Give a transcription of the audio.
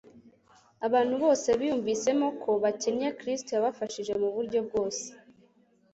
Abantu bose biyumvisemo ko bakencye Kristo, yabafashije mu buryo bwose.